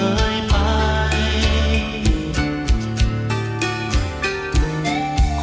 แห่ง